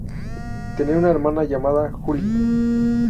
Tenía una hermana llamada Julie.